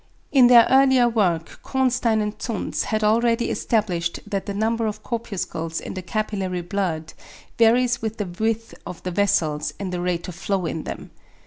In their earlier work Cohnstein and Zuntz had already established that the number of corpuscles in the capillary blood varies with the width of the vessels and the rate of flow in them.